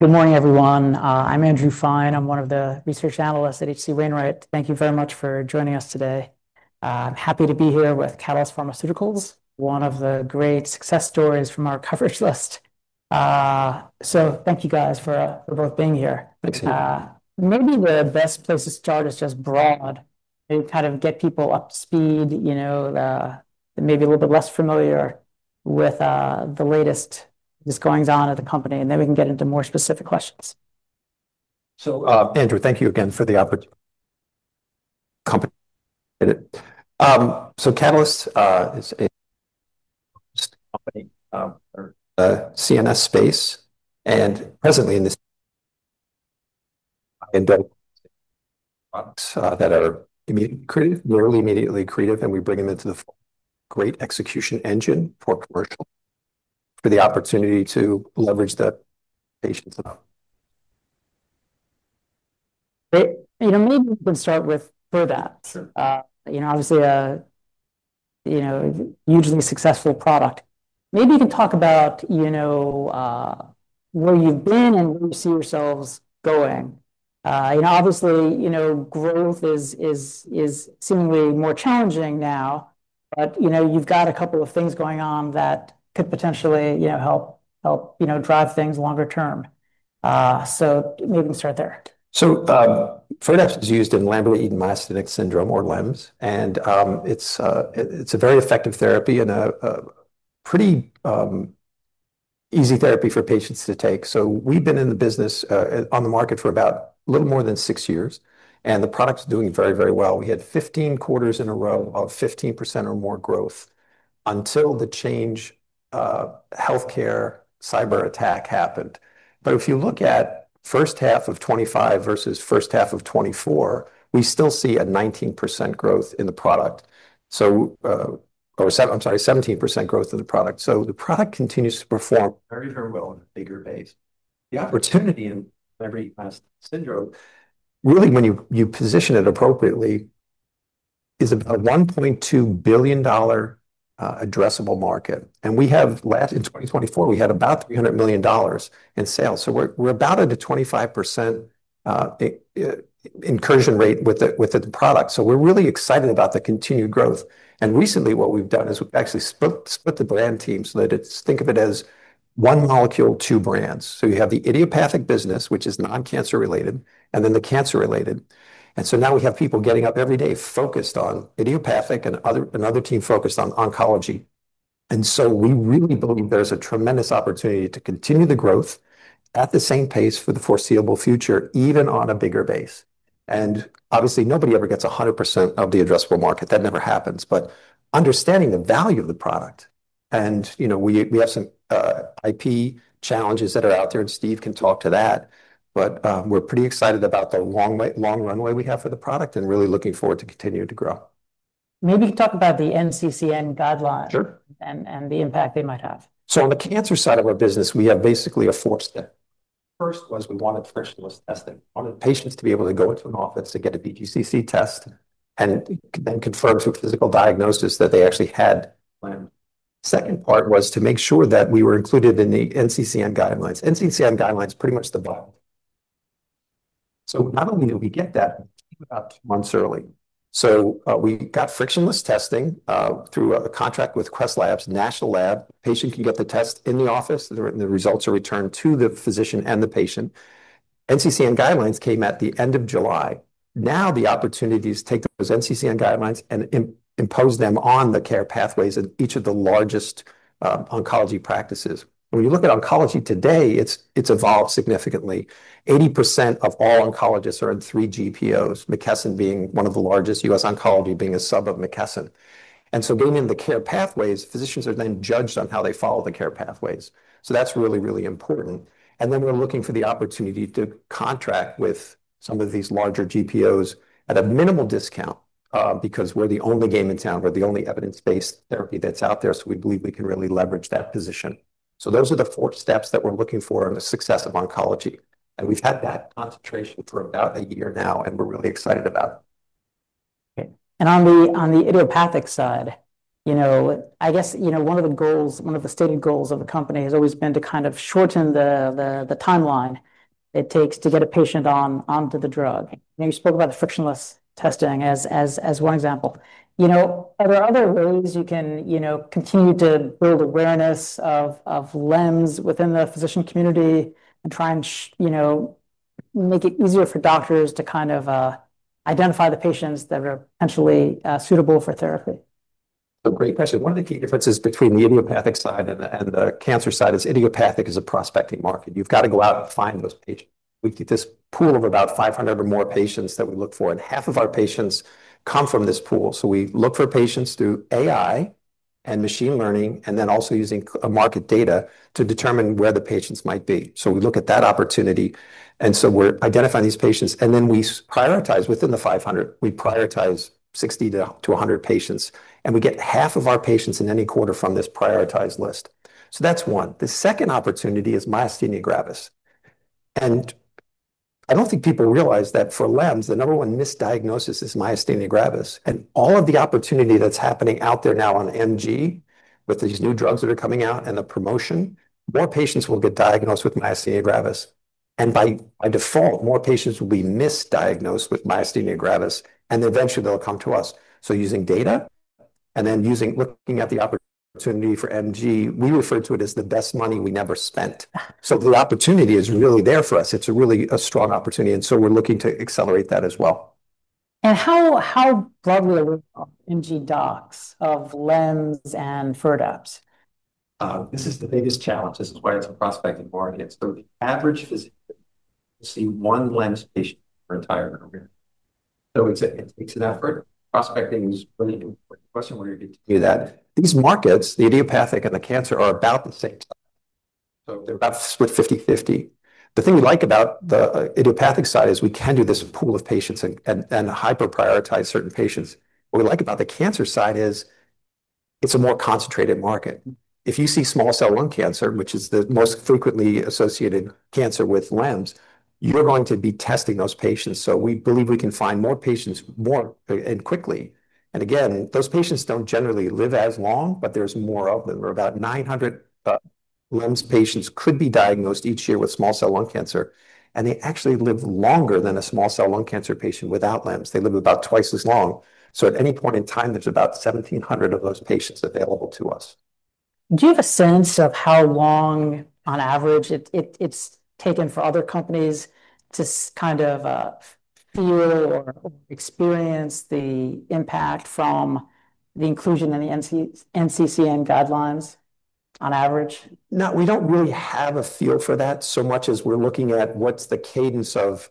Good morning, everyone. I'm Andrew Fine. I'm one of the research analysts at HC Wainwright. Thank you very much for joining us today. I'm happy to be here with Catalyst Pharmaceuticals, one of the great success stories from our coverage list. Thank you guys for both being here. Maybe the best place to start is just broad. Maybe kind of get people up to speed, you know, maybe a little bit less familiar with the latest that's going on at the company, and then we can get into more specific questions. Andrew, thank you again for the opportunity. Catalyst Pharmaceuticals is a company in the CNS space, and presently in this that are rarely immediately creative, and we bring them into the great execution engine for commercial, for the opportunity to leverage the patients. Great. Maybe we can start with FIRDAPSE. Obviously, a hugely successful product. Maybe you can talk about where you've been and where you see yourselves going. Growth is seemingly more challenging now, but you've got a couple of things going on that could potentially help drive things longer term. Maybe we can start there. FIRDAPSE is used in Lambert-Eaton myasthenic syndrome, or LEMS, and it's a very effective therapy and a pretty easy therapy for patients to take. We've been in the business on the market for a little more than six years, and the product's doing very, very well. We had 15 quarters in a row of 15% or more growth until the Change Healthcare cyberattack happened. If you look at first half of 2025 versus first half of 2024, we still see a 19% growth in the product, or, I'm sorry, 17% growth in the product. The product continues to perform very, very well in a bigger phase. The opportunity in Lambert-Eaton myasthenic syndrome, really, when you position it appropriately, is about a $1.2 billion addressable market. In 2024, we had about $300 million in sales, so we're about at a 25% incursion rate with the product. We're really excited about the continued growth. Recently, what we've done is we've actually split the brand team so that it's, think of it as one molecule, two brands. You have the idiopathic business, which is non-cancer related, and then the cancer related. Now we have people getting up every day focused on idiopathic and another team focused on oncology. We really believe there's a tremendous opportunity to continue the growth at the same pace for the foreseeable future, even on a bigger base. Obviously, nobody ever gets 100% of the addressable market. That never happens. Understanding the value of the product, and you know, we have some IP challenges that are out there, and Steve can talk to that. We're pretty excited about the long runway we have for the product and really looking forward to continuing to grow. Maybe you can talk about the NCCN guidelines and the impact they might have. On the cancer side of our business, we have basically a four-step. First was we wanted patients to be able to go to an office to get a BPCC test and then confirm through physical diagnosis that they actually had. The second part was to make sure that we were included in the NCCN guidelines. NCCN guidelines are pretty much the bottom line. Not only did we get that, we got months early. We got frictionless testing through a contract with Quest Labs, a national lab. The patient can get the test in the office, and the results are returned to the physician and the patient. NCCN guidelines came at the end of July. Now the opportunity is to take those NCCN guidelines and impose them on the care pathways in each of the largest oncology practices. When you look at oncology today, it's evolved significantly. 80% of all oncologists are in three GPOs, McKesson being one of the largest, US Oncology being a sub of McKesson. Getting into the care pathways, physicians are then judged on how they follow the care pathways. That's really, really important. We're looking for the opportunity to contract with some of these larger GPOs at a minimal discount because we're the only game in town. We're the only evidence-based therapy that's out there. We believe we can really leverage that position. Those are the four steps that we're looking for in the success of oncology. We've had that concentration for about a year now, and we're really excited about it. On the idiopathic side, one of the goals, one of the stated goals of the company has always been to kind of shorten the timeline it takes to get a patient onto the drug. You spoke about the frictionless testing as one example. Are there other ways you can continue to build awareness of LEMS within the physician community and try and make it easier for doctors to kind of identify the patients that are potentially suitable for therapy? A great question. One of the key differences between the idiopathic side and the cancer side is idiopathic is a prospecting market. You've got to go out and find those patients. We did this pool of about 500 or more patients that we look for, and half of our patients come from this pool. We look for patients through AI and machine learning, and then also using market data to determine where the patients might be. We look at that opportunity. We're identifying these patients, and then we prioritize within the 500. We prioritize 60 to 100 patients, and we get half of our patients in any quarter from this prioritized list. That's one. The second opportunity is myasthenia gravis. I don't think people realize that for LEMS, the number one misdiagnosis is myasthenia gravis. All of the opportunity that's happening out there now on MG with these new drugs that are coming out and the promotion, more patients will get diagnosed with myasthenia gravis. By default, more patients will be misdiagnosed with myasthenia gravis, and eventually they'll come to us. Using data and then using looking at the opportunity for MG, we refer to it as the best money we never spent. The opportunity is really there for us. It's a really strong opportunity. We're looking to accelerate that as well. How broadly are we MG docs of LEMS and FIRDAPSE? This is the biggest challenge. This is why it's a prospect in market. The average physician will see one LEMS patient for an entire number of years. It's an effort. Prospecting is really the question where you need to do that. These markets, the idiopathic and the cancer, are about the same size. They're about to split 50-50. The thing we like about the idiopathic side is we can do this pool of patients and hyper-prioritize certain patients. What we like about the cancer side is it's a more concentrated market. If you see small cell lung cancer, which is the most frequently associated cancer with LEMS, we're going to be testing those patients. We believe we can find more patients more and quickly. Those patients don't generally live as long, but there's more of them. There are about 900 LEMS patients who could be diagnosed each year with small cell lung cancer. They actually live longer than a small cell lung cancer patient without LEMS. They live about twice as long. At any point in time, there's about 1,700 of those patients available to us. Do you have a sense of how long on average it's taken for other companies to kind of feel or experience the impact from the inclusion in the NCCN guidelines on average? No, we don't really have a fear for that so much as we're looking at what's the cadence of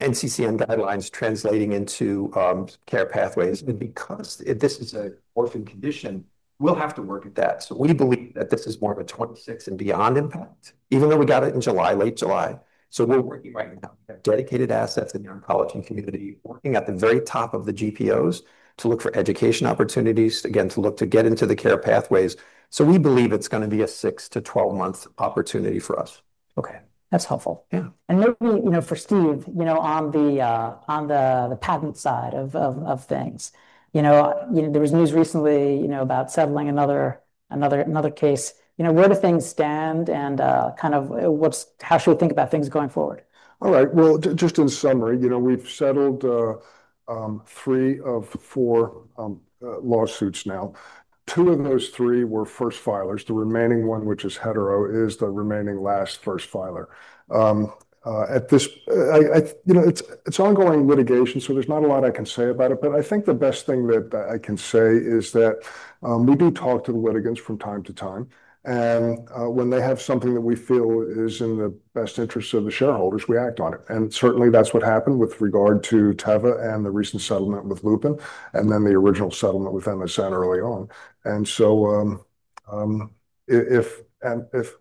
NCCN guidelines translating into care pathways. Because this is an orphan condition, we'll have to work at that. We believe that this is more of a 2026 and beyond impact, even though we got it in July, late July. We're working right now. We have dedicated assets in the oncology community, working at the very top of the GPOs to look for education opportunities, again, to look to get into the care pathways. We believe it's going to be a 6 to 12 month opportunity for us. Okay, that's helpful. Yeah. Steve, on the patent side of things, there was news recently about settling another case. Where do things stand and how should we think about things going forward? All right. Just in summary, we've settled three of four lawsuits now. Two of those three were first filers. The remaining one, which is Hetero, is the remaining last first filer. At this, it's ongoing litigation, so there's not a lot I can say about it. I think the best thing that I can say is that we do talk to the litigants from time to time. When they have something that we feel is in the best interests of the shareholders, we act on it. Certainly, that's what happened with regard to Teva and the recent settlement with Lupin, and then the original settlement with MSN early on. If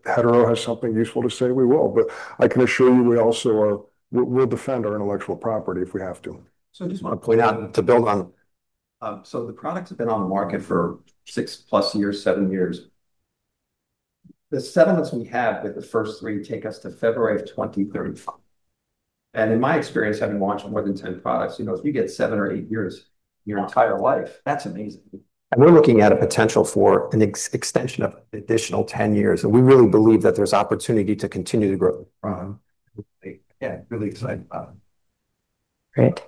Hetero has something useful to say, we will. I can assure you we also will defend our intellectual property if we have to. I just want to point out to build on, the products have been on the market for six plus years, seven years. The settlements we have with the first three take us to February of 2023. In my experience, having watched more than 10 products, you know, if you get seven or eight years in your entire life, that's amazing. We're looking at a potential for an extension of an additional 10 years. We really believe that there's opportunity to continue to grow. Yeah, I'm really excited about it. Great.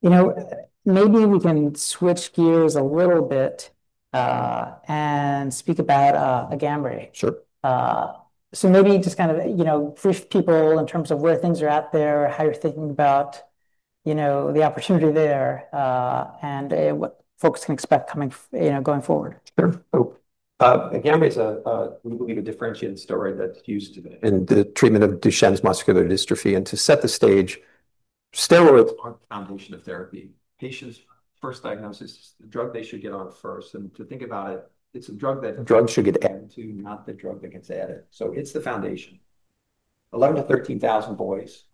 You know, maybe we can switch gears a little bit and speak about AGAMREE. Sure. Maybe just kind of brief people in terms of where things are at there, how you're thinking about the opportunity there, and what folks can expect coming going forward. Sure. AGAMREE is a, we believe, a differentiated steroid that's used in the treatment of Duchenne muscular dystrophy. To set the stage, steroids are the foundation of therapy. Patients' first diagnosis is the drug they should get on first. To think about it, it's a drug that drugs should get added to, not the drug that gets added. It's the foundation. 11,000 to 13,000 boys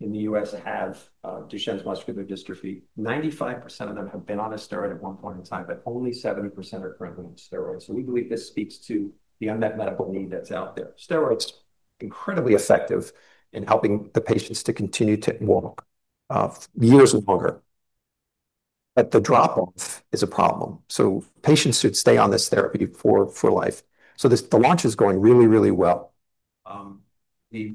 in the U.S. have Duchenne muscular dystrophy. 95% of them have been on a steroid at one point in time, but only 7% are currently on steroids. We believe this speaks to the unmet medical need that's out there. Steroids are incredibly effective in helping the patients to continue to walk years and longer. The drop-off is a problem. Patients should stay on this therapy for life. The launch is going really, really well. There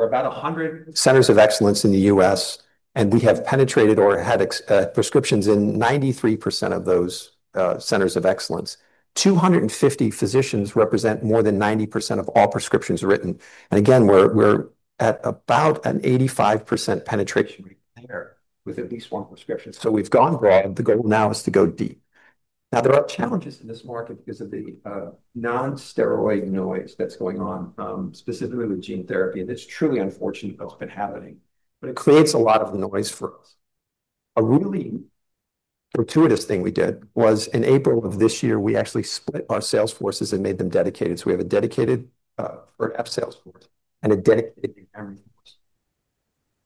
are about 100 centers of excellence in the U.S., and we have penetrated or had prescriptions in 93% of those centers of excellence. 250 physicians represent more than 90% of all prescriptions written. We're at about an 85% penetration rate there with at least one prescription. We've gone there, and the goal now is to go deep. There are challenges in this market because of the non-steroid noise that's going on, specifically with gene therapy. It's truly unfortunate to know it's been happening. It creates a lot of noise for us. A really fortuitous thing we did was in April of this year, we actually split our sales forces and made them dedicated. We have a dedicated FIRDAPSE sales force and a dedicated AGAMREE force.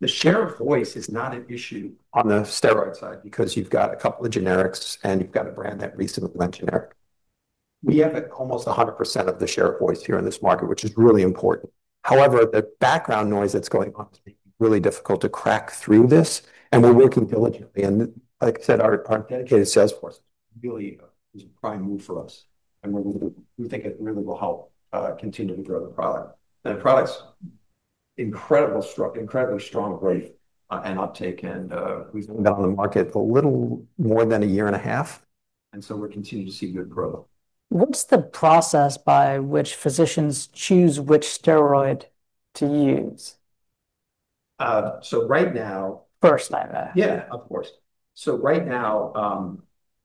The share of voice is not an issue on the steroid side because you've got a couple of generics and you've got a brand that recently went generic. We have almost 100% of the share of voice here in this market, which is really important. However, the background noise that's going on is really difficult to crack through this. We're working diligently. Our dedicated sales force really is a prime move for us. We think it really will help continue to grow the product. The product's incredible, incredibly strong belief and uptake. We've been on the market a little more than a year and a half. We're continuing to see good growth. What's the process by which physicians choose which steroid to use? Right now. First, I've had. Yeah, of course. Right now,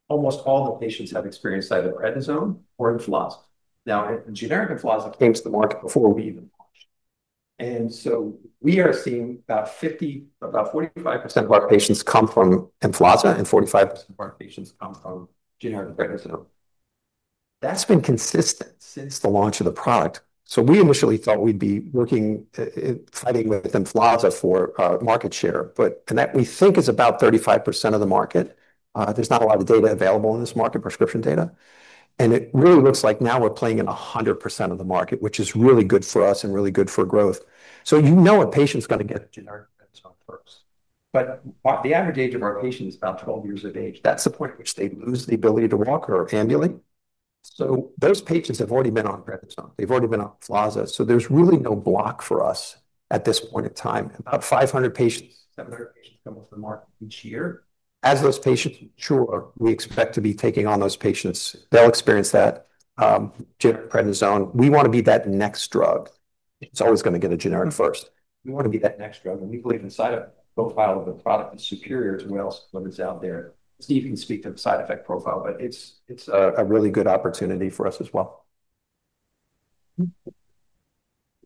almost all the patients have experienced either prednisone or deflazacort. Generic deflazacort came to the market before we even. We are seeing about 45% of our patients come from deflazacort and 45% of our patients come from generic prednisone. That's been consistent since the launch of the product. We initially thought we'd be working fighting with deflazacort for market share. That we think is about 35% of the market. There's not a lot of data available in this market, prescription data. It really looks like now we're playing in 100% of the market, which is really good for us and really good for growth. A patient's got to get generic prednisone first. The average age of our patients is about 12 years of age. That's the point at which they lose the ability to walk or ambulate. Those patients have already been on prednisone. They've already been on deflazacort. There's really no block for us at this point in time. About 500 patients, 700 patients come onto the market each year. As those patients mature, we expect to be taking on those patients. They'll experience that generic prednisone. We want to be that next drug. It's always going to get a generic first. We want to be that next drug. We believe the side effect profile of the product is superior to what else is out there. Steven can speak to the side effect profile, but it's a really good opportunity for us as well.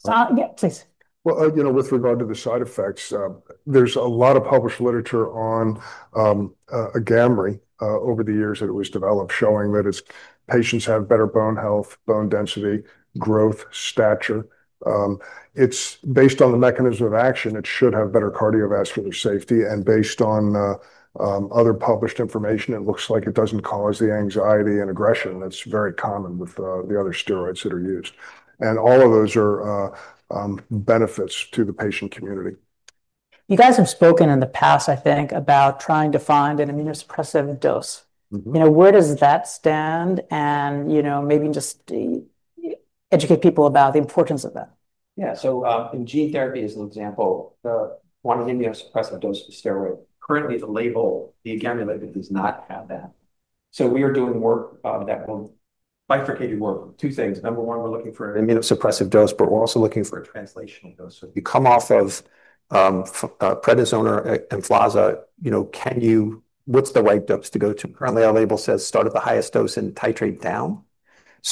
Yeah, please. With regard to the side effects, there's a lot of published literature on AGAMREE over the years that it was developed showing that patients have better bone health, bone density, growth, stature. It's based on the mechanism of action. It should have better cardiovascular safety. Based on other published information, it looks like it doesn't cause the anxiety and aggression that's very common with the other steroids that are used. All of those are benefits to the patient community. You guys have spoken in the past, I think, about trying to find an immunosuppressive dose. Where does that stand? Maybe just educate people about the importance of that. Yeah, so in gene therapy, as an example, one of the immunosuppressive doses is steroid. Currently, the label, the AGAMREE label, does not have that. We are doing work of that, bifurcating work. Two things. Number one, we're looking for an immunosuppressive dose, but we're also looking for a translational dose. If you come off of prednisone or influenza, you know, what's the right dose to go to? Currently, our label says start at the highest dose and titrate down.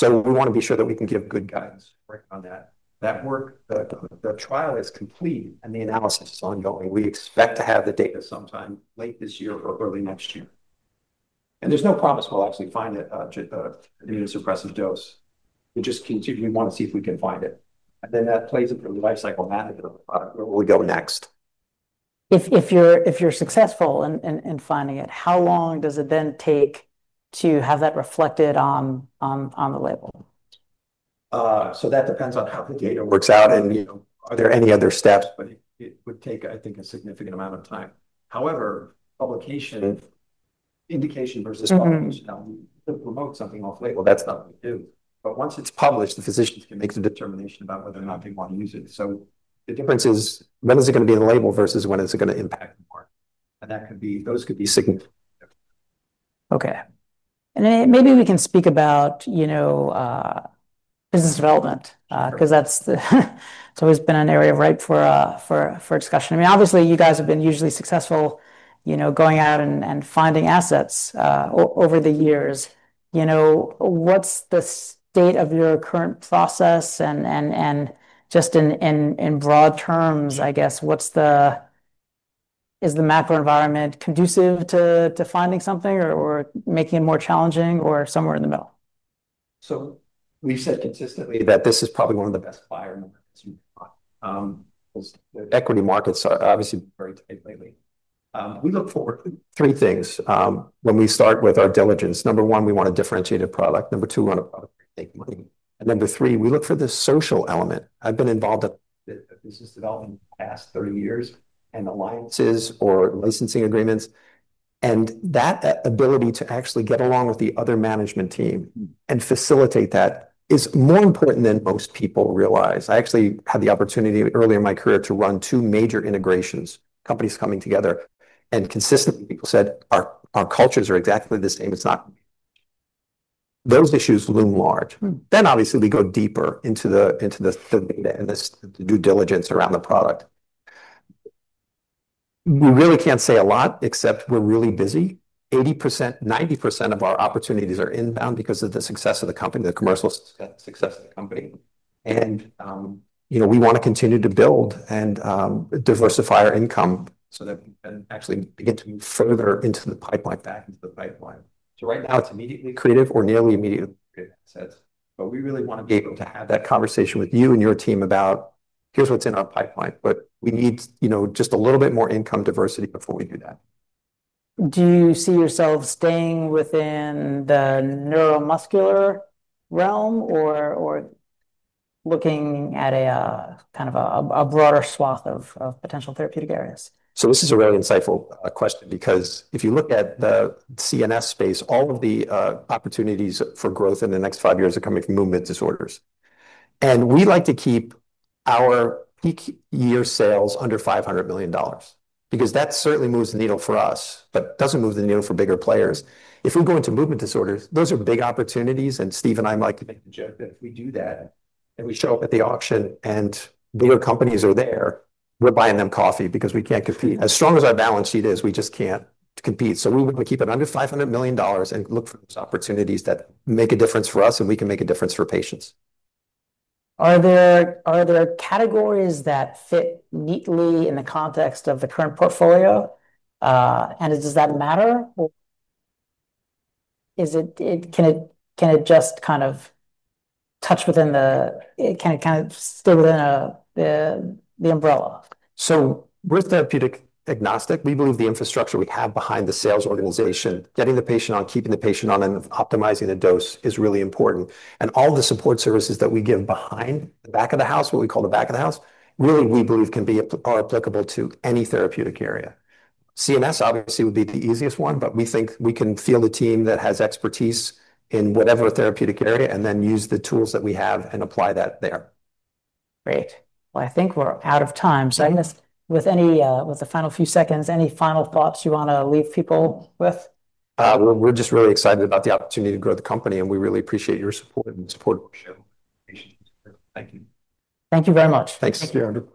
We want to be sure that we can give good guidance, working on that. That work, the trial is complete and the analysis is ongoing. We expect to have the data sometime late this year or early next year. There's no promise we'll actually find an immunosuppressive dose. We just continue to want to see if we can find it. That plays into the lifecycle management of the product where we go next. If you're successful in finding it, how long does it then take to have that reflected on the label? That depends on how the data works out and are there any other steps, but it would take, I think, a significant amount of time. However, publication indication versus publication to promote something off label, that's not what we do. Once it's published, the physicians can make the determination about whether or not they want to use it. The difference is when is it going to be on the label versus when is it going to impact more. That could be, those could be significantly different. Okay. Maybe we can speak about, you know, business development because that's always been an area, right, for discussion. Obviously, you guys have been hugely successful, you know, going out and finding assets over the years. What's the state of your current process? Just in broad terms, I guess, is the macro environment conducive to finding something or making it more challenging or somewhere in the middle? We've said consistently that this is probably one of the best buyers in the market. Equity markets are obviously very tight lately. We look for three things when we start with our diligence. Number one, we want a differentiated product. Number two, we want a product that makes money. Number three, we look for the social element. I've been involved in business development for the past 30 years and alliances or licensing agreements. That ability to actually get along with the other management team and facilitate that is more important than most people realize. I actually had the opportunity early in my career to run two major integrations, companies coming together. Consistently, people said our cultures are exactly the same. It's not. Those issues loom large. We go deeper into the due diligence around the product. We really can't say a lot except we're really busy. 80% to 90% of our opportunities are inbound because of the success of the company, the commercial success of the company. We want to continue to build and diversify our income so that we can actually get further into the pipeline, back into the pipeline. Right now, it's immediately accretive or nearly immediately accretive, it says. We really want to be able to have that conversation with you and your team about here's what's in our pipeline. We need just a little bit more income diversity before we do that. Do you see yourself staying within the neuromuscular realm or looking at a kind of a broader swath of potential therapeutic areas? This is a very insightful question because if you look at the CNS space, all of the opportunities for growth in the next five years are coming from movement disorders. We like to keep our peak year sales under $500 million because that certainly moves the needle for us, but doesn't move the needle for bigger players. If we go into movement disorders, those are big opportunities. Steve and I like to make the joke that if we do that and we show up at the auction and bigger companies are there, we're buying them coffee because we can't compete. As strong as our balance sheet is, we just can't compete. We want to keep it under $500 million and look for those opportunities that make a difference for us and we can make a difference for patients. Are there categories that fit neatly in the context of the current portfolio? Does that matter? Can it just kind of touch within the, kind of stay within the umbrella? We are therapeutic agnostic. We believe the infrastructure we have behind the sales organization, getting the patient on, keeping the patient on, and optimizing the dose is really important. All the support services that we give behind the back of the house, what we call the back of the house, really we believe can be applicable to any therapeutic area. CNS obviously would be the easiest one, but we think we can field the team that has expertise in whatever therapeutic area and then use the tools that we have and apply that there. Great. I think we're out of time. I guess with the final few seconds, any final thoughts you want to leave people with? We're just really excited about the opportunity to grow the company, and we really appreciate your support and support of our show. Thank you. Thank you very much. Thanks, Sarah.